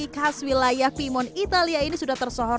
kas wilayah pimon italia ini sudah tertutup